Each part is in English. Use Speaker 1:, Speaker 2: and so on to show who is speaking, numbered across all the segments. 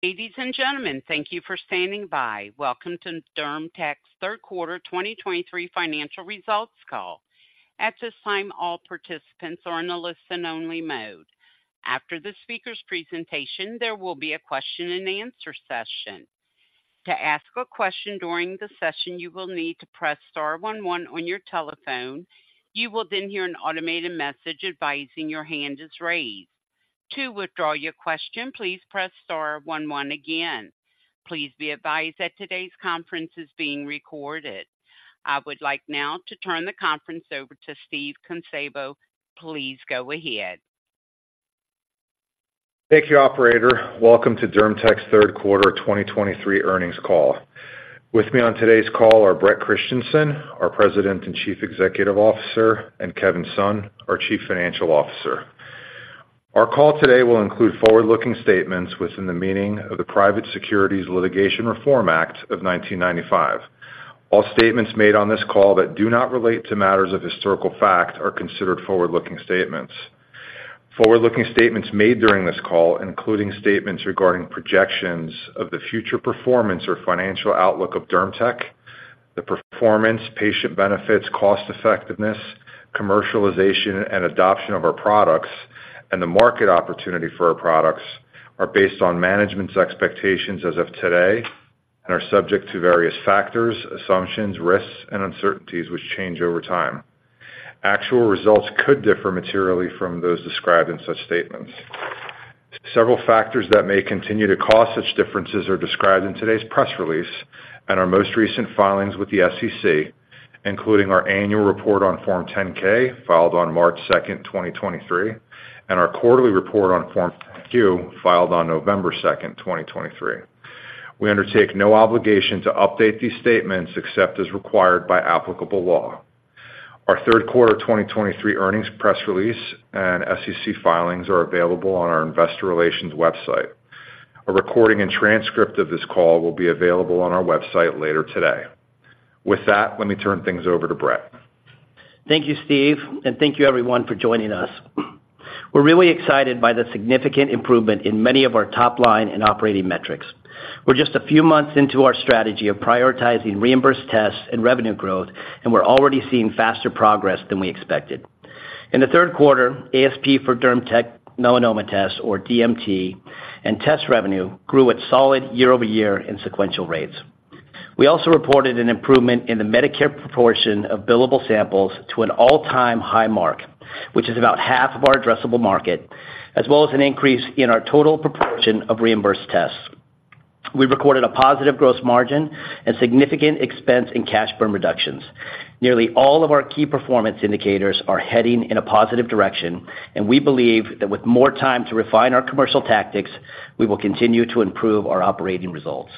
Speaker 1: Ladies and gentlemen, thank you for standing by. Welcome to DermTech's third quarter 2023 financial results call. At this time, all participants are in a listen-only mode. After the speaker's presentation, there will be a question-and-answer session. To ask a question during the session, you will need to press star one one on your telephone. You will then hear an automated message advising your hand is raised. To withdraw your question, please press star one one again. Please be advised that today's conference is being recorded. I would like now to turn the conference over to Steve Kunszabo. Please go ahead.
Speaker 2: Thank you operator. Welcome to DermTech's third quarter 2023 earnings call. With me on today's call are Bret Christensen, our President and Chief Executive Officer, and Kevin Sun, our Chief Financial Officer. Our call today will include forward-looking statements within the meaning of the Private Securities Litigation Reform Act of 1995. All statements made on this call that do not relate to matters of historical fact are considered forward-looking statements. Forward-looking statements made during this call, including statements regarding projections of the future performance or financial outlook of DermTech, the performance, patient benefits, cost-effectiveness, commercialization, and adoption of our products, and the market opportunity for our products, are based on management's expectations as of today and are subject to various factors, assumptions, risks, and uncertainties which change over time. Actual results could differ materially from those described in such statements. Several factors that may continue to cause such differences are described in today's press release and our most recent filings with the SEC, including our annual report on Form 10-K, filed on March 2, 2023, and our quarterly report on Form 10-Q, filed on November 2, 2023. We undertake no obligation to update these statements except as required by applicable law. Our third quarter 2023 earnings press release and SEC filings are available on our investor relations website. A recording and transcript of this call will be available on our website later today. With that, let me turn things over to Bret.
Speaker 3: Thank you Steve, and thank you everyone for joining us. We're really excited by the significant improvement in many of our top line and operating metrics. We're just a few months into our strategy of prioritizing reimbursed tests and revenue growth, and we're already seeing faster progress than we expected. In the third quarter, ASP for DermTech Melanoma Tests, or DMT, and test revenue grew at solid year-over-year and sequential rates. We also reported an improvement in the Medicare proportion of billable samples to an all-time high mark, which is about half of our addressable market, as well as an increase in our total proportion of reimbursed tests. We recorded a positive gross margin and significant expense in cash burn reductions. Nearly all of our key performance indicators are heading in a positive direction, and we believe that with more time to refine our commercial tactics, we will continue to improve our operating results.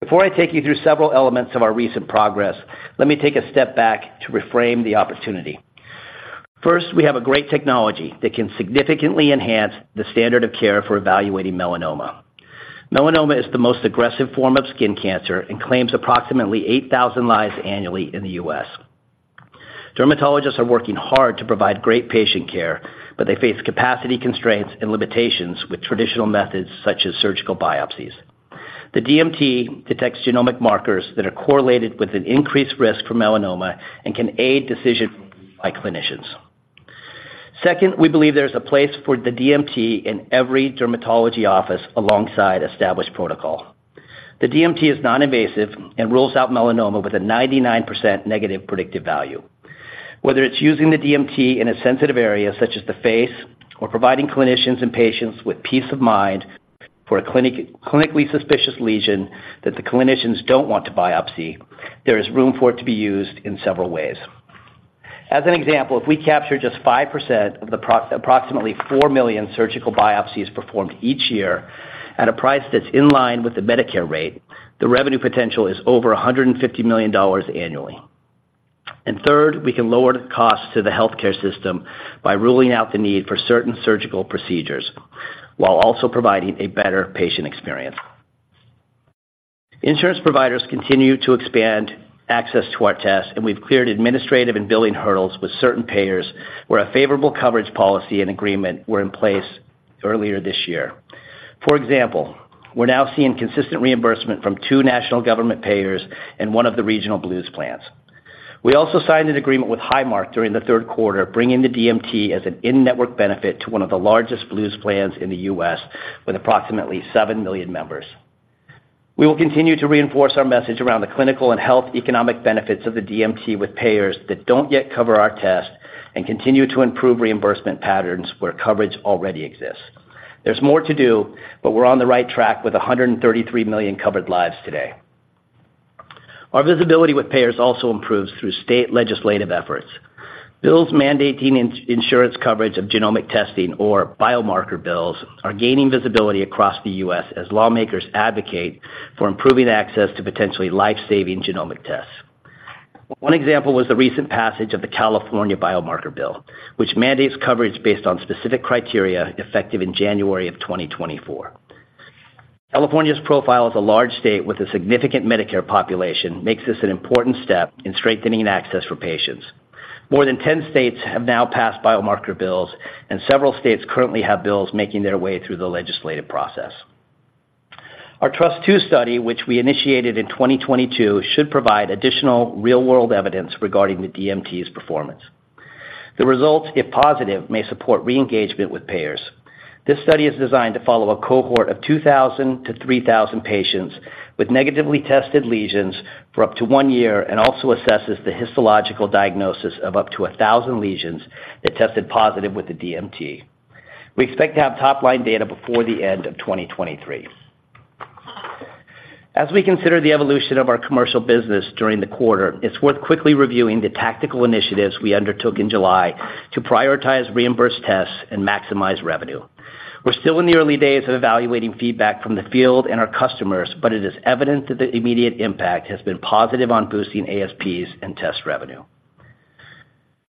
Speaker 3: Before I take you through several elements of our recent progress, let me take a step back to reframe the opportunity. First, we have a great technology that can significantly enhance the standard of care for evaluating melanoma. Melanoma is the most aggressive form of skin cancer and claims approximately 8,000 lives annually in the U.S. Dermatologists are working hard to provide great patient care, but they face capacity constraints and limitations with traditional methods such as surgical biopsies. The DMT detects genomic markers that are correlated with an increased risk for melanoma and can aid decision by clinicians. Second, we believe there's a place for the DMT in every dermatology office alongside established protocol. The DMT is non-invasive and rules out melanoma with a 99% negative predictive value. Whether it's using the DMT in a sensitive area, such as the face, or providing clinicians and patients with peace of mind for a clinically suspicious lesion that the clinicians don't want to biopsy, there is room for it to be used in several ways. As an example, if we capture just 5% of the approximately 4 million surgical biopsies performed each year at a price that's in line with the Medicare rate, the revenue potential is over $150 million annually. Third, we can lower the cost to the healthcare system by ruling out the need for certain surgical procedures, while also providing a better patient experience. Insurance providers continue to expand access to our tests, and we've cleared administrative and billing hurdles with certain payers where a favorable coverage policy and agreement were in place earlier this year. For example, we're now seeing consistent reimbursement from two national government payers and one of the regional Blues plans. We also signed an agreement with Highmark during the third quarter, bringing the DMT as an in-network benefit to one of the largest Blues plans in the U.S., with approximately 7 million members. We will continue to reinforce our message around the clinical and health economic benefits of the DMT with payers that don't yet cover our test and continue to improve reimbursement patterns where coverage already exists. There's more to do, but we're on the right track with 133 million covered lives today. Our visibility with payers also improves through state legislative efforts. Bills mandating insurance coverage of genomic testing or biomarker bills are gaining visibility across the U.S. as lawmakers advocate for improving access to potentially life-saving genomic tests. One example was the recent passage of the California Biomarker Bill, which mandates coverage based on specific criteria effective in January 2024. California's profile as a large state with a significant Medicare population makes this an important step in strengthening access for patients. More than 10 states have now passed biomarker bills, and several states currently have bills making their way through the legislative process. Our Trust 2 Study, which we initiated in 2022, should provide additional real-world evidence regarding the DMT's performance. The results, if positive, may support re-engagement with payers. This study is designed to follow a cohort of 2,000 - 3,000 patients with negatively tested lesions for up to one year, and also assesses the histological diagnosis of up to 1,000 lesions that tested positive with the DMT. We expect to have top-line data before the end of 2023. As we consider the evolution of our commercial business during the quarter, it's worth quickly reviewing the tactical initiatives we undertook in July to prioritize reimbursed tests and maximize revenue. We're still in the early days of evaluating feedback from the field and our customers, but it is evident that the immediate impact has been positive on boosting ASPs and test revenue.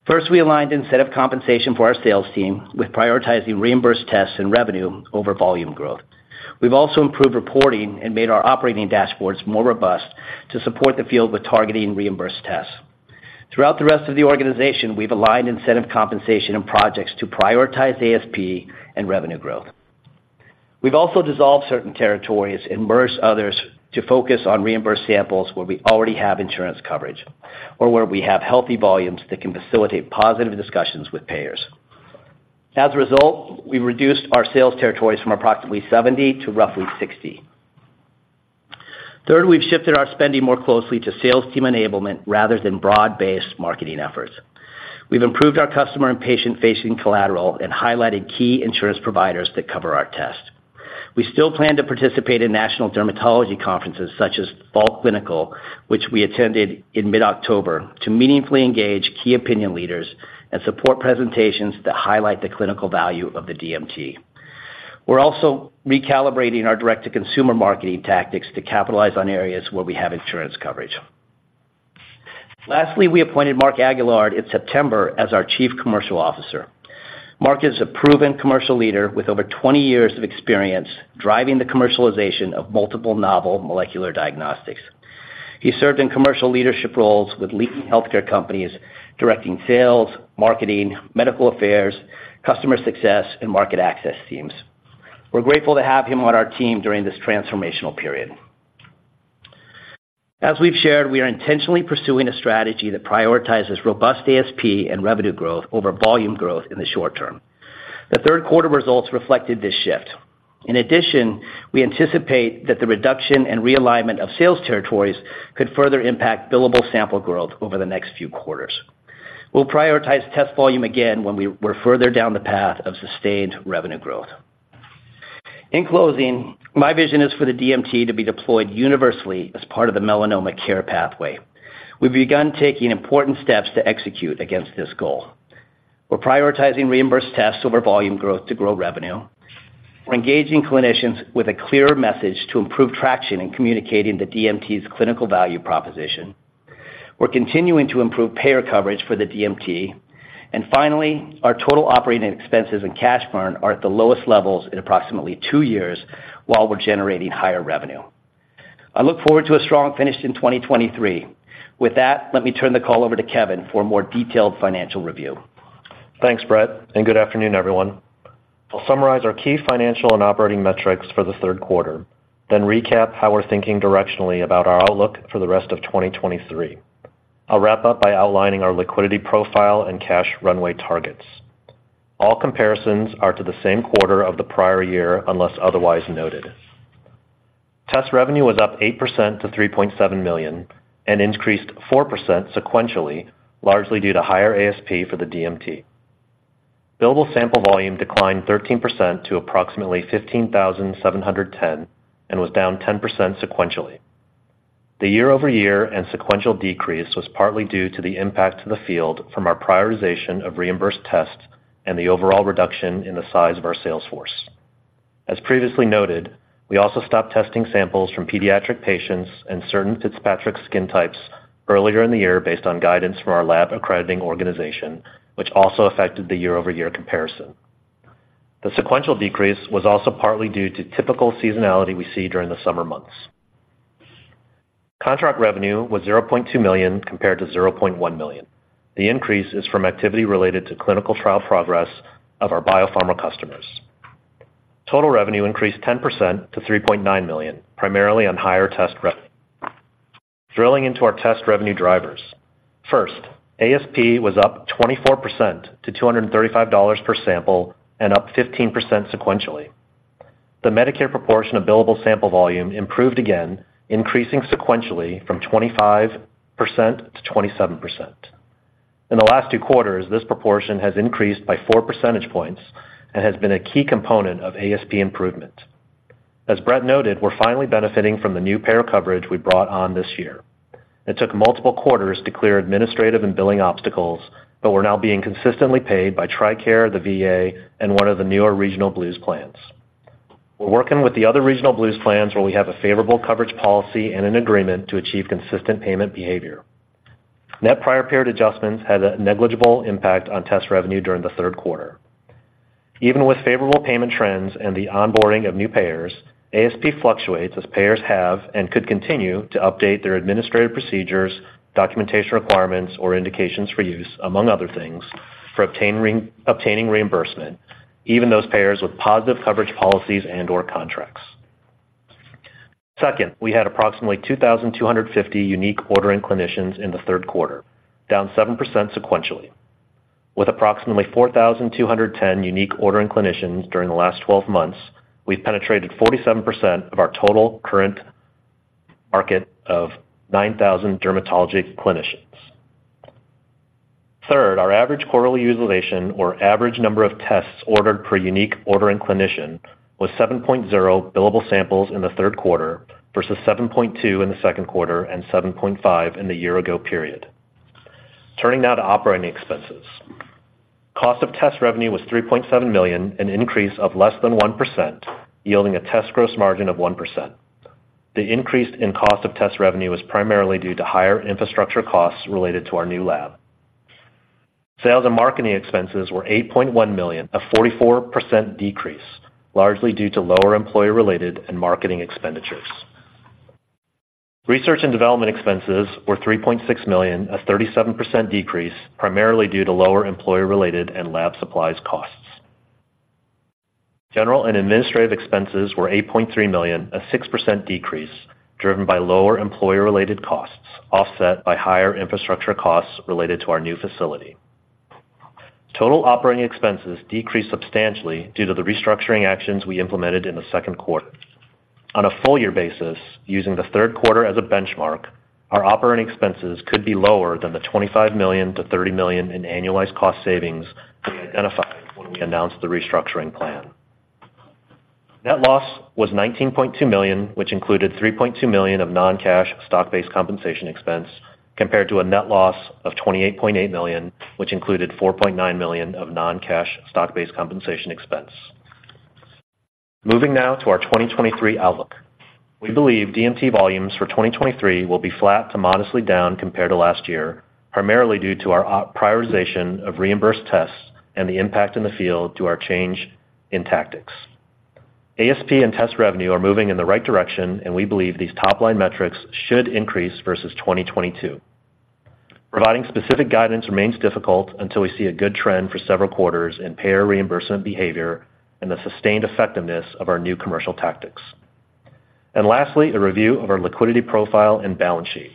Speaker 3: First, we aligned incentive compensation for our sales team with prioritizing reimbursed tests and revenue over volume growth. We've also improved reporting and made our operating dashboards more robust to support the field with targeting reimbursed tests. Throughout the rest of the organization, we've aligned incentive compensation and projects to prioritize ASP and revenue growth. We've also dissolved certain territories and merged others to focus on reimbursed samples where we already have insurance coverage, or where we have healthy volumes that can facilitate positive discussions with payers. As a result, we've reduced our sales territories from approximately 70 to roughly 60. Third, we've shifted our spending more closely to sales team enablement rather than broad-based marketing efforts. We've improved our customer and patient-facing collateral and highlighted key insurance providers that cover our test. We still plan to participate in national dermatology conferences such as Fall Clinical, which we attended in mid October, to meaningfully engage key opinion leaders and support presentations that highlight the clinical value of the DMT. We're also recalibrating our direct-to-consumer marketing tactics to capitalize on areas where we have insurance coverage. Lastly, we appointed Mark Aguillard in September as our Chief Commercial Officer. Mark is a proven commercial leader with over 20 years of experience driving the commercialization of multiple novel molecular diagnostics. He served in commercial leadership roles with leading healthcare companies, directing sales, marketing, medical affairs, customer success, and market access teams. We're grateful to have him on our team during this transformational period. As we've shared, we are intentionally pursuing a strategy that prioritizes robust ASP and revenue growth over volume growth in the short term. The third quarter results reflected this shift. In addition, we anticipate that the reduction and realignment of sales territories could further impact billable sample growth over the next few quarters. We'll prioritize test volume again when we're further down the path of sustained revenue growth. In closing, my vision is for the DMT to be deployed universally as part of the melanoma care pathway. We've begun taking important steps to execute against this goal. We're prioritizing reimbursed tests over volume growth to grow revenue. We're engaging clinicians with a clearer message to improve traction in communicating the DMT's clinical value proposition. We're continuing to improve payer coverage for the DMT, and finally, our total operating expenses and cash burn are at the lowest levels in approximately two years while we're generating higher revenue. I look forward to a strong finish in 2023. With that, let me turn the call over to Kevin for a more detailed financial review.
Speaker 4: Thanks Bret, and good afternoon everyone. I'll summarize our key financial and operating metrics for the third quarter, then recap how we're thinking directionally about our outlook for the rest of 2023. I'll wrap up by outlining our liquidity profile and cash runway targets. All comparisons are to the same quarter of the prior year, unless otherwise noted. Test revenue was up 8% to $3.7 million and increased 4% sequentially, largely due to higher ASP for the DMT. Billable sample volume declined 13% to approximately 15,710, and was down 10% sequentially. The year-over-year and sequential decrease was partly due to the impact to the field from our prioritization of reimbursed tests and the overall reduction in the size of our sales force. As previously noted, we also stopped testing samples from pediatric patients and certain Fitzpatrick Skin Types earlier in the year based on guidance from our lab accrediting organization, which also affected the year-over-year comparison. The sequential decrease was also partly due to typical seasonality we see during the summer months. Contract revenue was $0.2 million, compared to $0.1 million. The increase is from activity related to clinical trial progress of our biopharma customers. Total revenue increased 10% to $3.9 million, primarily on higher test rev. Drilling into our test revenue drivers. First, ASP was up 24% to $235 per sample and up 15% sequentially. The Medicare proportion of billable sample volume improved again, increasing sequentially from 25% to 27%. In the last two quarters, this proportion has increased by four percentage points and has been a key component of ASP improvement. As Bret noted, we're finally benefiting from the new payer coverage we brought on this year. It took multiple quarters to clear administrative and billing obstacles, but we're now being consistently paid by TRICARE, the VA, and one of the newer regional Blues plans. We're working with the other regional Blues plans where we have a favorable coverage policy and an agreement to achieve consistent payment behavior. Net prior period adjustments had a negligible impact on test revenue during the third quarter. Even with favorable payment trends and the onboarding of new payers, ASP fluctuates as payers have and could continue to update their administrative procedures, documentation requirements, or indications for use, among other things, for obtaining reimbursement, even those payers with positive coverage policies and/or contracts. Second, we had approximately 2,250 unique ordering clinicians in the third quarter, down 7% sequentially, with approximately 4,210 unique ordering clinicians during the last twelve months. We've penetrated 47% of our total current market of 9,000 dermatology clinicians. Third, our average quarterly utilization or average number of tests ordered per unique ordering clinician was 7.0 billable samples in the third quarter versus 7.2 in the second quarter and 7.5 in the year ago period. Turning now to operating expenses. Cost of test revenue was $3.7 million, an increase of less than 1%, yielding a test gross margin of 1%. The increase in cost of test revenue was primarily due to higher infrastructure costs related to our new lab. Sales and marketing expenses were $8.1 million, a 44% decrease, largely due to lower employee-related and marketing expenditures. Research and development expenses were $3.6 million, a 37% decrease, primarily due to lower employee-related and lab supplies costs. General and administrative expenses were $8.3 million, a 6% decrease, driven by lower employee-related costs, offset by higher infrastructure costs related to our new facility. Total operating expenses decreased substantially due to the restructuring actions we implemented in the second quarter. On a full year basis, using the third quarter as a benchmark, our operating expenses could be lower than the $25 million - $30 million in annualized cost savings we identified when we announced the restructuring plan. Net loss was $19.2 million, which included $3.2 million of non-cash stock-based compensation expense, compared to a net loss of $28.8 million, which included $4.9 million of non-cash stock-based compensation expense. Moving now to our 2023 outlook. We believe DMT volumes for 2023 will be flat to modestly down compared to last year, primarily due to our prioritization of reimbursed tests and the impact in the field to our change in tactics. ASP and test revenue are moving in the right direction, and we believe these top-line metrics should increase versus 2022. Providing specific guidance remains difficult until we see a good trend for several quarters in payer reimbursement behavior and the sustained effectiveness of our new commercial tactics. And lastly, a review of our liquidity profile and balance sheet.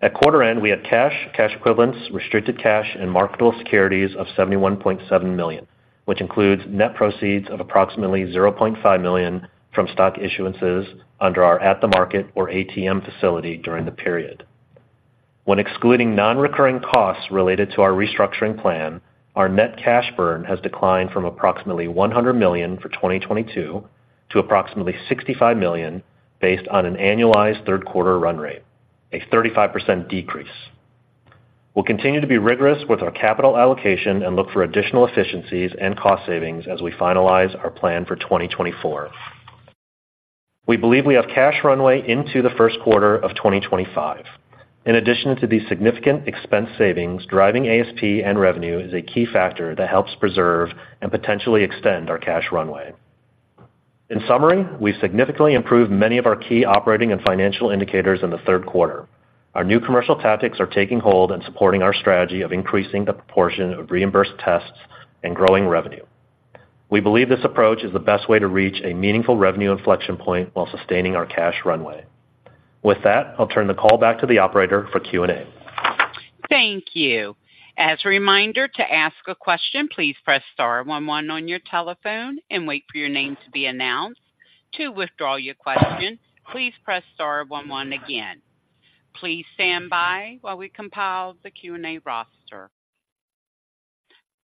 Speaker 4: At quarter end, we had cash, cash equivalents, restricted cash, and marketable securities of $71.7 million, which includes net proceeds of approximately $0.5 million from stock issuances under our at the market or ATM facility during the period. When excluding non-recurring costs related to our restructuring plan, our net cash burn has declined from approximately $100 million for 2022 to approximately $65 million, based on an annualized third quarter run rate, a 35% decrease. We'll continue to be rigorous with our capital allocation and look for additional efficiencies and cost savings as we finalize our plan for 2024. We believe we have cash runway into the first quarter of 2025. In addition to these significant expense savings, driving ASP and revenue is a key factor that helps preserve and potentially extend our cash runway. In summary, we significantly improved many of our key operating and financial indicators in the third quarter. Our new commercial tactics are taking hold and supporting our strategy of increasing the proportion of reimbursed tests and growing revenue. We believe this approach is the best way to reach a meaningful revenue inflection point while sustaining our cash runway. With that, I'll turn the call back to the operator for Q&A.
Speaker 1: Thank you. As a reminder to ask a question, please press star one one on your telephone and wait for your name to be announced. To withdraw your question, please press star one one again. Please stand by while we compile the Q&A roster.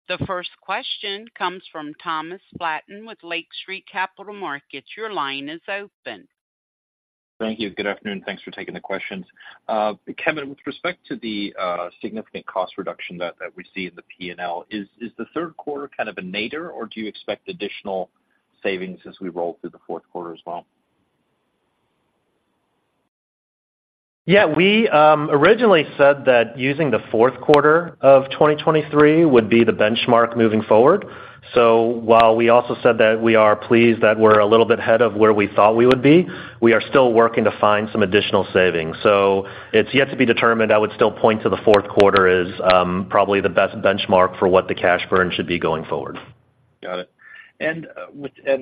Speaker 1: The first question comes from Thomas Flaten with Lake Street Capital Markets. Your line is open.
Speaker 5: Thank you. Good afternoon, thanks for taking the questions. Kevin, with respect to the significant cost reduction that we see in the PNL, is the third quarter kind of a nadir, or do you expect additional savings as we roll through the fourth quarter as well?
Speaker 4: Yeah, we originally said that using the fourth quarter of 2023 would be the benchmark moving forward. So while we also said that we are pleased that we're a little bit ahead of where we thought we would be, we are still working to find some additional savings. So it's yet to be determined. I would still point to the fourth quarter as probably the best benchmark for what the cash burn should be going forward.
Speaker 5: Got it. And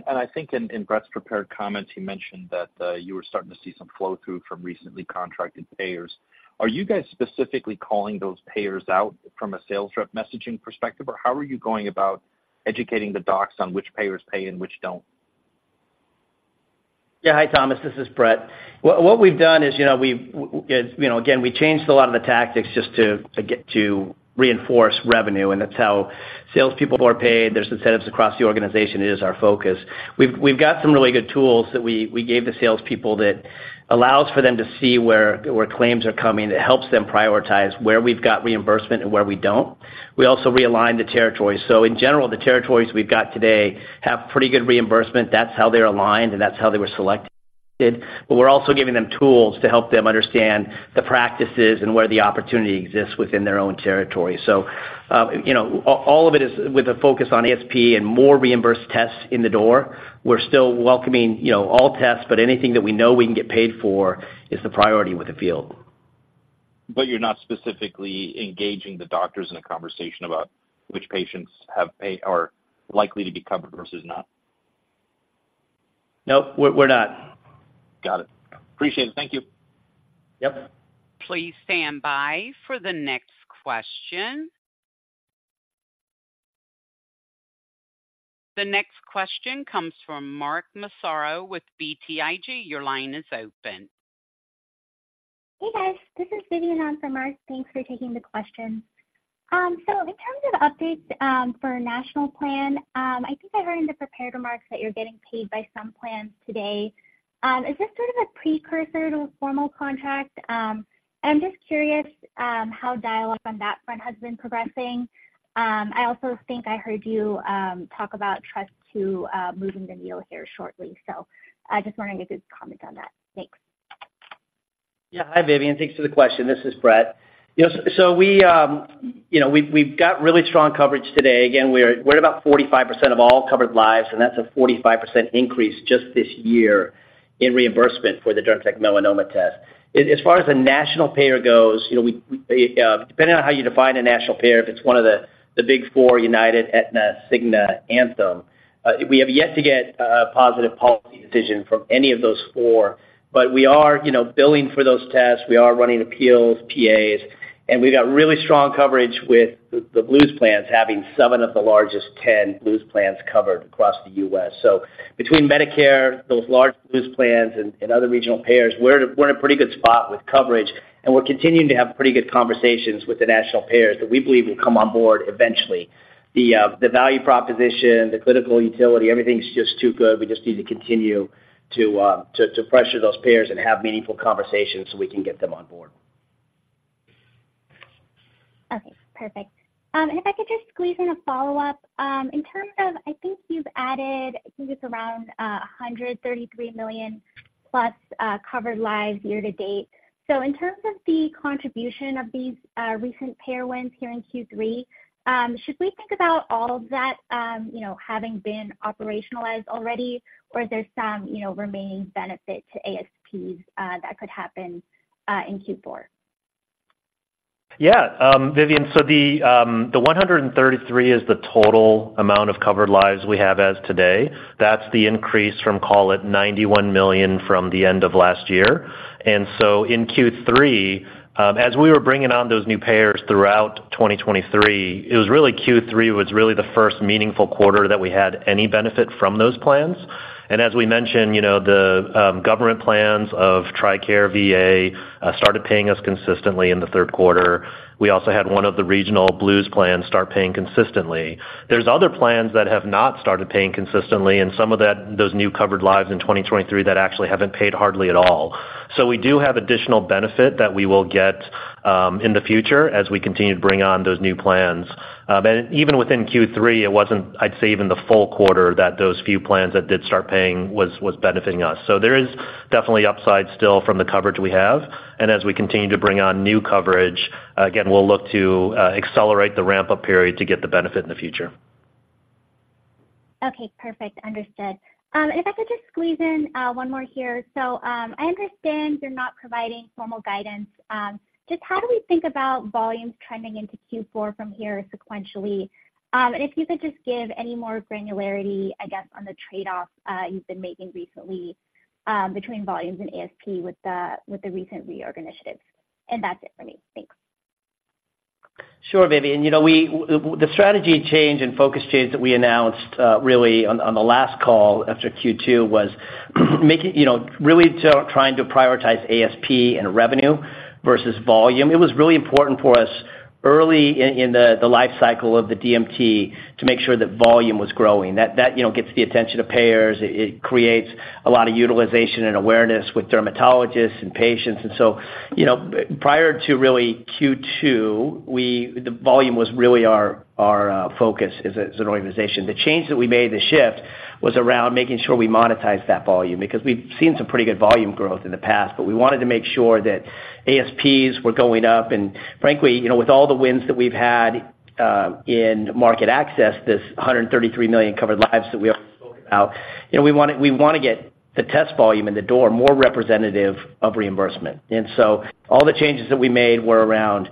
Speaker 5: I think in Bret's prepared comments, he mentioned that you were starting to see some flow-through from recently contracted payers. Are you guys specifically calling those payers out from a sales rep messaging perspective? Or how are you going about educating the docs on which payers pay and which don't?
Speaker 3: Yeah. Hi, Thomas, this is Bret. What we've done is, you know, again, we changed a lot of the tactics just to get to reinforce revenue, and that's how salespeople who are paid, there's incentives across the organization, it is our focus. We've got some really good tools that we gave the salespeople that allows for them to see where claims are coming. It helps them prioritize where we've got reimbursement and where we don't. We also realigned the territories. So in general, the territories we've got today have pretty good reimbursement. That's how they're aligned, and that's how they were selected. But we're also giving them tools to help them understand the practices and where the opportunity exists within their own territory. So, you know, all, all of it is with a focus on ASP and more reimbursed tests in the door. We're still welcoming, you know, all tests, but anything that we know we can get paid for is the priority with the field.
Speaker 5: But you're not specifically engaging the doctors in a conversation about which patients are likely to be covered versus not?
Speaker 3: Nope, we're not.
Speaker 5: Got it. Appreciate it. Thank you.
Speaker 3: Yep.
Speaker 1: Please stand by for the next question. The next question comes from Mark Massaro with BTIG. Your line is open.
Speaker 6: Hey guys. This is Vivian on for Mark. Thanks for taking the question. So in terms of updates, for national plan, I think I heard in the prepared remarks that you're getting paid by some plans today. Is this sort of a precursor to a formal contract? I'm just curious, how dialogue on that front has been progressing. I also think I heard you talk about Trust 2 moving the needle here shortly. So I just wondering if you'd comment on that. Thanks.
Speaker 3: Yeah. Hi Vivian. Thanks for the question. This is Bret. Yeah, so we, you know, we've, we've got really strong coverage today. Again, we're, we're about 45% of all covered lives, and that's a 45% increase just this year in reimbursement for the DermTech Melanoma Test. As, as far as the national payer goes, you know, we, we, depending on how you define a national payer, if it's one of the, the big four, United, Aetna, Cigna, Anthem, we have yet to get a, a positive policy decision from any of those four, but we are, you know, billing for those tests. We are running appeals, PAs, and we've got really strong coverage with the, the Blues plans, having seven of the largest 10 Blues plans covered across the U.S. So between Medicare, those large Blues plans and other regional payers, we're at a pretty good spot with coverage, and we're continuing to have pretty good conversations with the national payers that we believe will come on board eventually. The value proposition, the clinical utility, everything's just too good. We just need to continue to pressure those payers and have meaningful conversations so we can get them on board.
Speaker 6: Okay, perfect. And if I could just squeeze in a follow-up. In terms of I think you've added, I think it's around, 133 million plus covered lives year to date. So in terms of the contribution of these, recent payer wins here in Q3, should we think about all of that, you know, having been operationalized already, or is there some, you know, remaining benefit to ASPs, that could happen, in Q4?
Speaker 4: Yeah, Vivian. So the 133 is the total amount of covered lives we have as today. That's the increase from, call it, 91 million from the end of last year. And so in Q3, as we were bringing on those new payers throughout 2023, it was really Q3 was really the first meaningful quarter that we had any benefit from those plans. And as we mentioned, you know, the government plans of TRICARE, VA, started paying us consistently in the third quarter. We also had one of the regional Blues plans start paying consistently. There's other plans that have not started paying consistently, and some of that, those new covered lives in 2023 that actually haven't paid hardly at all. So we do have additional benefit that we will get in the future as we continue to bring on those new plans. But even within Q3, it wasn't, I'd say, even the full quarter, that those few plans that did start paying was benefiting us. So there is definitely upside still from the coverage we have, and as we continue to bring on new coverage, again, we'll look to accelerate the ramp-up period to get the benefit in the future.
Speaker 6: Okay, perfect. Understood. And if I could just squeeze in one more here. So, I understand you're not providing formal guidance. Just how do we think about volumes trending into Q4 from here sequentially? And if you could just give any more granularity, I guess, on the trade-offs you've been making recently between volumes and ASP with the, with the recent reorg initiatives. And that's it for me. Thanks.
Speaker 3: Sure, Vivian. You know, the strategy change and focus change that we announced really on the last call after Q2 was making. You know, really trying to prioritize ASP and revenue versus volume. It was really important for us early in the life cycle of the DMT to make sure that volume was growing. That, you know, gets the attention of payers. It creates a lot of utilization and awareness with dermatologists and patients. And so, you know, prior to really Q2, the volume was really our focus as an organization. The change that we made, the shift, was around making sure we monetize that volume because we've seen some pretty good volume growth in the past, but we wanted to make sure that ASPs were going up. And frankly, you know, with all the wins that we've had in market access, this 133 million covered lives that we already spoke about, you know, we wanna, we wanna get the test volume in the door, more representative of reimbursement. And so all the changes that we made were around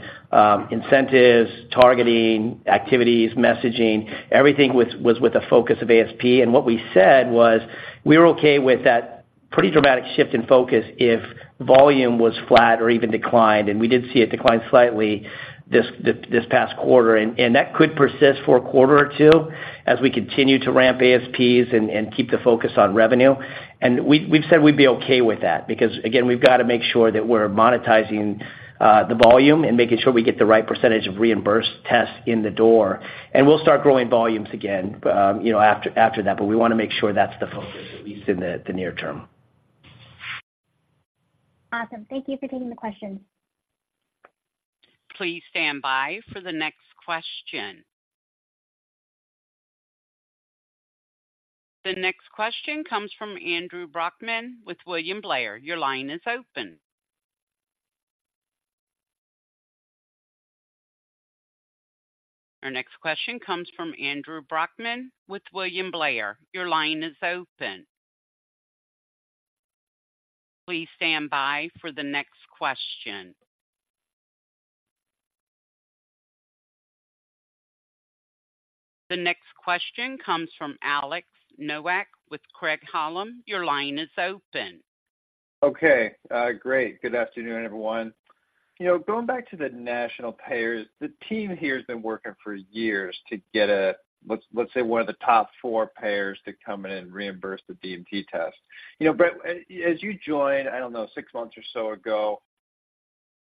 Speaker 3: incentives, targeting, activities, messaging, everything was with a focus of ASP. And what we said was, we were okay with that pretty dramatic shift in focus if volume was flat or even declined, and we did see it decline slightly this past quarter. And that could persist for a quarter or two as we continue to ramp ASPs and keep the focus on revenue. And we've said we'd be okay with that because, again, we've got to make sure that we're monetizing the volume and making sure we get the right percentage of reimbursed tests in the door. And we'll start growing volumes again, you know, after that, but we wanna make sure that's the focus, at least in the near term.
Speaker 6: Awesome. Thank you for taking the question.
Speaker 1: Please stand by for the next question. The next question comes from Andrew Brockman with William Blair. Your line is open. Our next question comes from Andrew Brockman with William Blair. Your line is open. Please stand by for the next question. The next question comes from Alex Nowak with Craig-Hallum. Your line is open.
Speaker 7: Okay, great. Good afternoon, everyone. You know, going back to the national payers, the team here has been working for years to get a, let's, let's say, one of the top four payers to come in and reimburse the DMT test. You know, Bret, as you joined, I don't know, six months or so ago,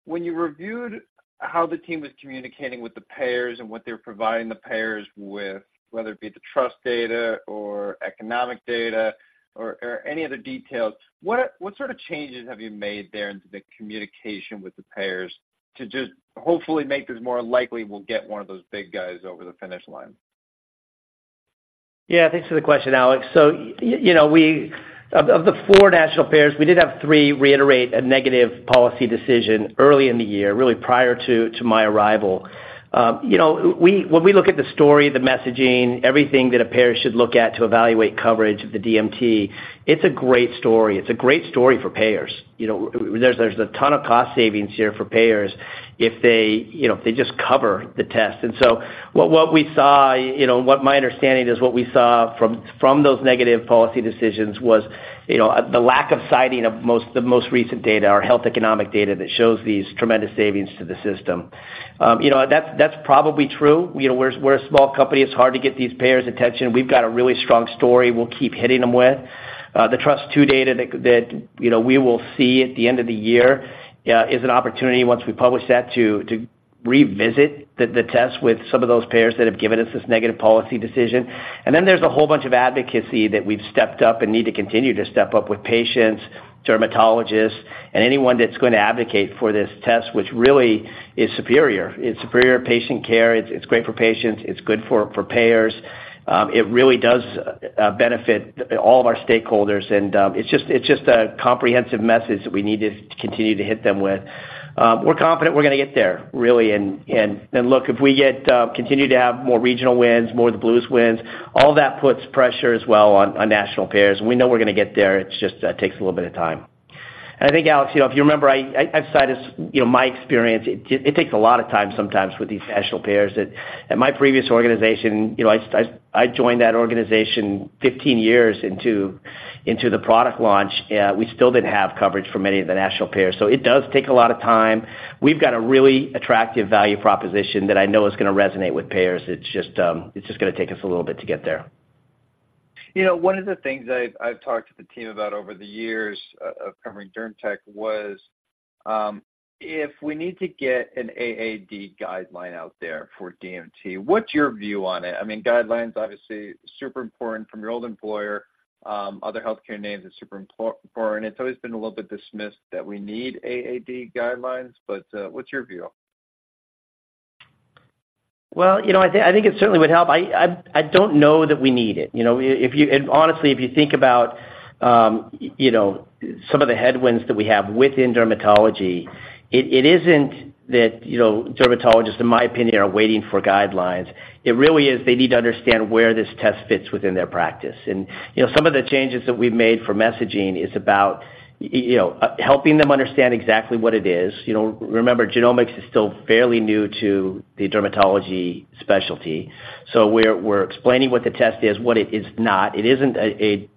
Speaker 7: when you reviewed how the team was communicating with the payers and what they were providing the payers with, whether it be the trust data or economic data or, or any other details, what, what sort of changes have you made there into the communication with the payers to just hopefully make this more likely we'll get one of those big guys over the finish line?
Speaker 3: Yeah, thanks for the question, Alex. So you know, of the four national payers, we did have three reiterate a negative policy decision early in the year, really prior to my arrival. You know, when we look at the story, the messaging, everything that a payer should look at to evaluate coverage of the DMT, it's a great story. It's a great story for payers. You know, there's a ton of cost savings here for payers if they just cover the test. And so what we saw, you know, what my understanding is, what we saw from those negative policy decisions was, you know, the lack of citing of the most recent data, our health economic data, that shows these tremendous savings to the system. You know, that's probably true. You know, we're a small company. It's hard to get these payers' attention. We've got a really strong story we'll keep hitting them with. The Trust II data that you know we will see at the end of the year is an opportunity, once we publish that, to revisit the test with some of those payers that have given us this negative policy decision. And then there's a whole bunch of advocacy that we've stepped up and need to continue to step up with patients, dermatologists, and anyone that's going to advocate for this test, which really is superior. It's superior patient care. It's great for patients. It's good for payers. It really does benefit all of our stakeholders, and it's just a comprehensive message that we need to continue to hit them with. We're confident we're going to get there, really. And look, if we continue to have more regional wins, more of the Blues wins, all that puts pressure as well on national payers. We know we're going to get there. It's just takes a little bit of time. And I think, Alex, you know, if you remember, I've cited, you know, my experience. It takes a lot of time sometimes with these national payers. At my previous organization, you know, I joined that organization 15 years into the product launch, we still didn't have coverage for many of the national payers, so it does take a lot of time. We've got a really attractive value proposition that I know is going to resonate with payers. It's just, it's just going to take us a little bit to get there.
Speaker 7: You know, one of the things I've talked to the team about over the years of covering DermTech was, if we need to get an AAD guideline out there for DMT, what's your view on it? I mean, guidelines, obviously, super important from your old employer, other healthcare names are super important. It's always been a little bit dismissed that we need AAD guidelines, but, what's your view?
Speaker 3: Well, you know, I think it certainly would help. I don't know that we need it. You know, if you, and honestly, if you think about, you know, some of the headwinds that we have within dermatology, it isn't that, you know, dermatologists, in my opinion, are waiting for guidelines. It really is they need to understand where this test fits within their practice. And, you know, some of the changes that we've made for messaging is about, you know, helping them understand exactly what it is. You know, remember, genomics is still fairly new to the dermatology specialty, so we're explaining what the test is, what it is not. It isn't a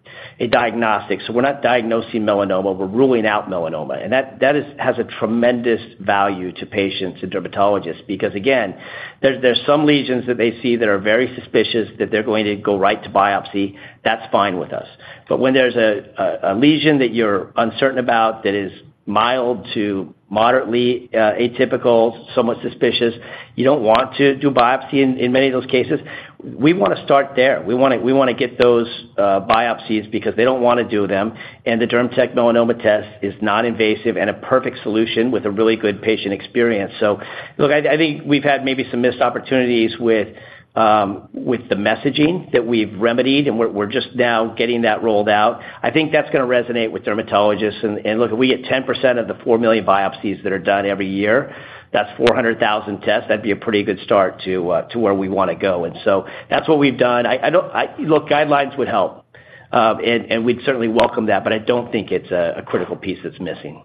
Speaker 3: diagnostic, so we're not diagnosing melanoma, we're ruling out melanoma. That has a tremendous value to patients and dermatologists because, again, there's some lesions that they see that are very suspicious that they're going to go right to biopsy. That's fine with us. But when there's a lesion that you're uncertain about that is mild to moderately atypical, somewhat suspicious, you don't want to do biopsy in many of those cases. We want to start there. We wanna get those biopsies because they don't want to do them, and the DermTech Melanoma Test is non-invasive and a perfect solution with a really good patient experience. So look, I think we've had maybe some missed opportunities with the messaging that we've remedied, and we're just now getting that rolled out. I think that's going to resonate with dermatologists. Look, if we get 10% of the 4 million biopsies that are done every year, that's 400,000 tests. That'd be a pretty good start to where we want to go. So that's what we've done. I don't, look, guidelines would help, and we'd certainly welcome that, but I don't think it's a critical piece that's missing.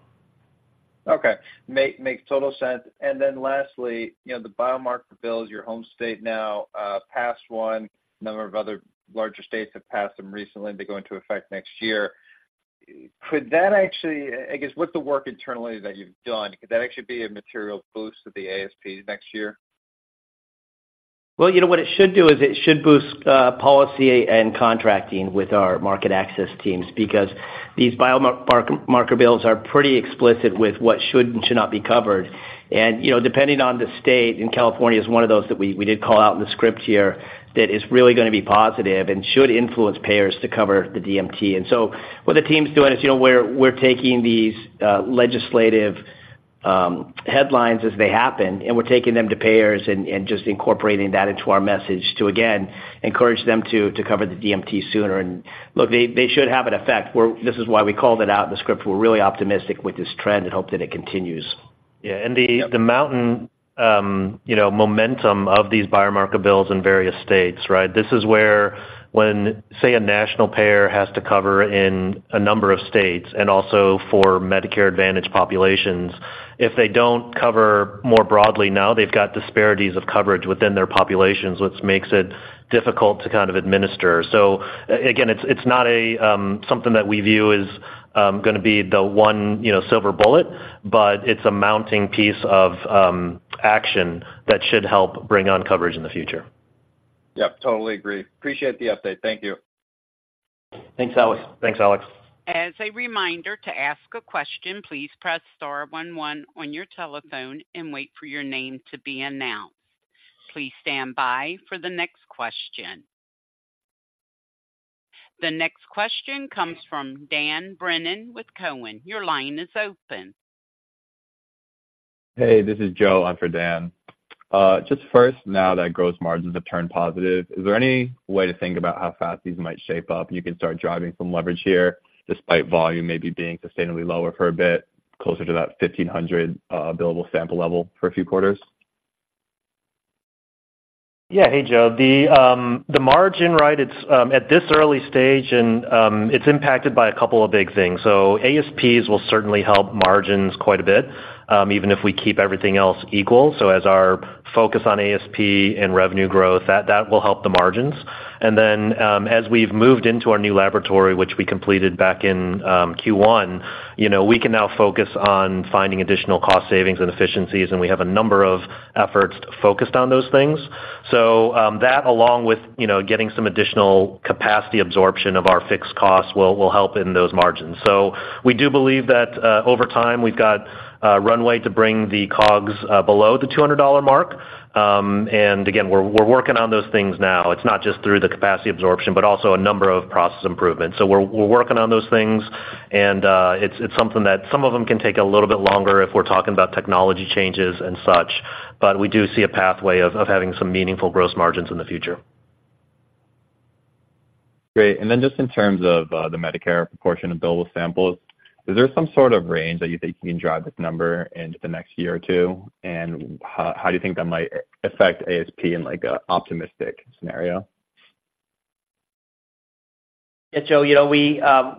Speaker 7: Okay. Makes total sense. And then lastly, you know, the biomarker bills, your home state now passed one. A number of other larger states have passed them recently. They go into effect next year. Could that actually, I guess, with the work internally that you've done, could that actually be a material boost to the ASP next year?
Speaker 3: Well, you know, what it should do is it should boost policy and contracting with our market access teams because these biomarker bills are pretty explicit with what should and should not be covered. And, you know, depending on the state, and California is one of those that we, we did call out in the script here, that is really going to be positive and should influence payers to cover the DMT. And so what the team's doing is, you know, we're, we're taking these legislative headlines as they happen, and we're taking them to payers and, and just incorporating that into our message to, again, encourage them to, to cover the DMT sooner. And look, they, they should have an effect. We're. This is why we called it out in the script. We're really optimistic with this trend and hope that it continues.
Speaker 4: Yeah, and the mountain, you know, momentum of these biomarker bills in various states, right? This is where when, say, a national payer has to cover in a number of states and also for Medicare Advantage populations, if they don't cover more broadly now, they've got disparities of coverage within their populations, which makes it difficult to kind of administer. So again, it's not a something that we view as gonna be the one, you know, silver bullet, but it's a mounting piece of action that should help bring on coverage in the future.
Speaker 7: Yep, totally agree. Appreciate the update. Thank you.
Speaker 3: Thanks, Alex.
Speaker 4: Thanks, Alex.
Speaker 1: As a reminder, to ask a question, please press star one one on your telephone and wait for your name to be announced. Please stand by for the next question. The next question comes from Dan Brennan with Cowen. Your line is open.
Speaker 8: Hey, this is Joe. I'm for Dan. Just first, now that gross margins have turned positive, is there any way to think about how fast these might shape up? You can start driving some leverage here, despite volume maybe being sustainably lower for a bit, closer to that 1,500 billable sample level for a few quarters.
Speaker 4: Yeah. Hey, Joe. The margin, right, it's at this early stage, and it's impacted by a couple of big things. So ASPs will certainly help margins quite a bit, even if we keep everything else equal. So as our focus on ASP and revenue growth, that will help the margins. And then, as we've moved into our new laboratory, which we completed back in Q1, you know, we can now focus on finding additional cost savings and efficiencies, and we have a number of efforts focused on those things. So, that, along with, you know, getting some additional capacity absorption of our fixed costs, will help in those margins. So we do believe that over time, we've got a runway to bring the COGS below the $200 mark. And again, we're, we're working on those things now. It's not just through the capacity absorption, but also a number of process improvements. So we're, we're working on those things, and it's, it's something that some of them can take a little bit longer if we're talking about technology changes and such, but we do see a pathway of having some meaningful gross margins in the future.
Speaker 8: Great. And then just in terms of, the Medicare proportion of billable samples, is there some sort of range that you think you can drive this number into the next year or two? And how do you think that might affect ASP in like a optimistic scenario?
Speaker 3: Yeah, Joe, you know,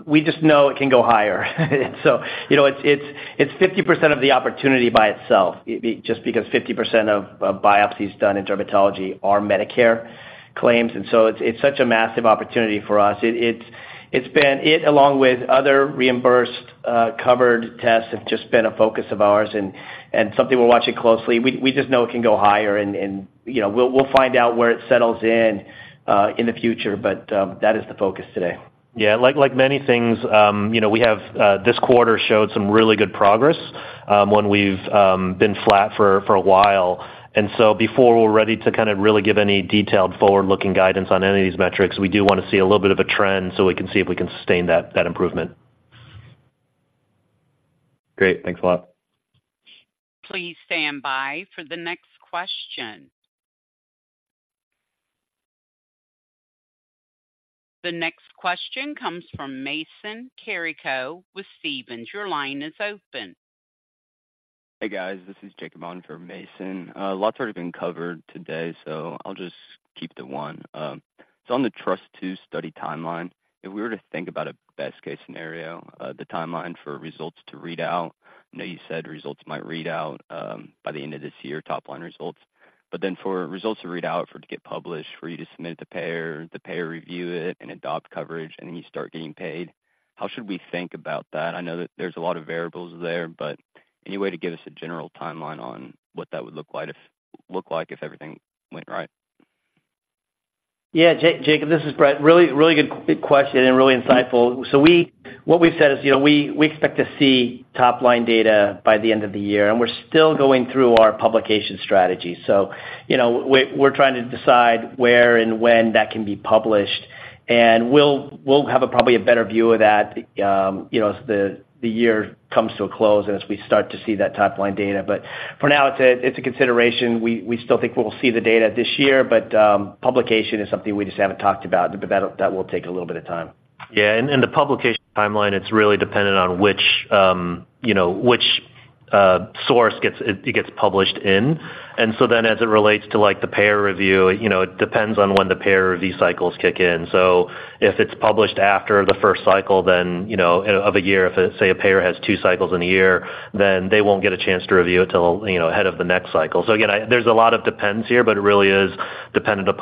Speaker 3: we just know it can go higher. So, you know, it's 50% of the opportunity by itself, just because 50% of biopsies done in dermatology are Medicare claims, and so it's such a massive opportunity for us. It's been. It, along with other reimbursed covered tests, have just been a focus of ours and something we're watching closely. We just know it can go higher and, you know, we'll find out where it settles in in the future, but that is the focus today.
Speaker 4: Yeah. Like many things, you know, we have this quarter showed some really good progress, when we've been flat for a while. And so before we're ready to kind of really give any detailed forward-looking guidance on any of these metrics, we do wanna see a little bit of a trend, so we can see if we can sustain that improvement.
Speaker 8: Great. Thanks a lot.
Speaker 1: Please stand by for the next question. The next question comes from Mason Carrico with Stephens. Your line is open.
Speaker 9: Hey, guys. This is Jacob on for Mason. A lot has already been covered today, so I'll just keep it to one. So on The Trust 2 Study timeline, if we were to think about a best-case scenario, the timeline for results to read out, I know you said results might read out by the end of this year, top-line results. But then for results to read out, for it to get published, for you to submit it to payer, the payer review it and adopt coverage, and then you start getting paid, how should we think about that? I know that there's a lot of variables there, but any way to give us a general timeline on what that would look like if everything went right?
Speaker 3: Yeah, Jacob, this is Bret. Really good question and really insightful. So what we've said is, you know, we expect to see top-line data by the end of the year, and we're still going through our publication strategy. So, you know, we're trying to decide where and when that can be published, and we'll have probably a better view of that, you know, as the year comes to a close and as we start to see that top-line data. But for now, it's a consideration. We still think we will see the data this year, but publication is something we just haven't talked about, but that will take a little bit of time.
Speaker 4: Yeah, and the publication timeline, it's really dependent on which, you know, which source gets it - it gets published in. And so then as it relates to, like, the payer review, you know, it depends on when the payer review cycles kick in. So if it's published after the first cycle, then, you know, of a year, if, say, a payer has two cycles in a year, then they won't get a chance to review it till, you know, ahead of the next cycle. So again, there's a lot of depends here, but it really is dependent on.